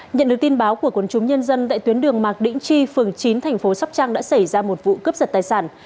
nhận được tin báo của quân chúng nhân dân tại tuyến đường mạc đĩnh tri phường chín thành phố sóc trăng đã xảy ra một vụ cướp giật tài sản